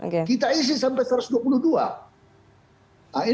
kita isi sampai satu ratus dua puluh dua